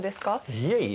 いえいえ